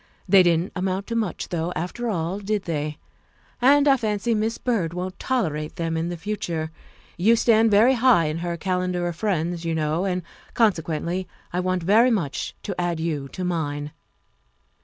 They didn't amount to much though, after all, did they? And I fancy Miss Byrd won't tol erate them in the future; you stand very high in her calendar of friends, you know, and, consequently, I want very much to add you to mine."